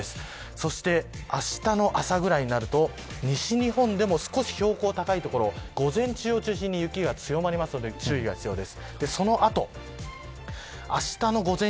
そして、あしたの朝ぐらいになると、西日本でも少し標高が高い所、午前中を中心に雪が強まるので注意が必要です。